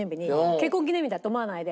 結婚記念日だと思わないで。